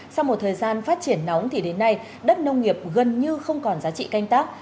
sau một thời gian phát triển nóng thì đến nay đất nông nghiệp gần như không còn giá trị canh tác